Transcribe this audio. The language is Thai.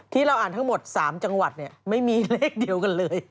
ที่เราอ่านทั้งหมด๓จังหวัดไม่มีเลขเดียวกันเลย